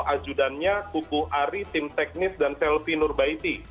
ajudannya kuku ari tim teknis dan selvi nurbaiti